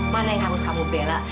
mana yang harus kamu bela